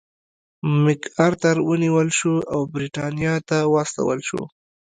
مک ارتر ونیول شو او برېټانیا ته واستول شو.